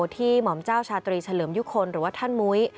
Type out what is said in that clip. หม่อมเจ้าชาตรีเฉลิมยุคลหรือว่าท่านมุ้ย